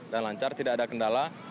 dan lancar tidak ada kendala